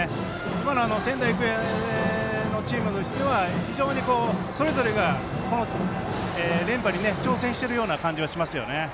今の仙台育英のチームとしては非常にそれぞれが連覇に挑戦しているような感じはしますね。